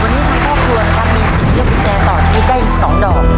วันนี้ทางครอบครัวนะครับมีสิทธิ์เลือกกุญแจต่อชีวิตได้อีก๒ดอก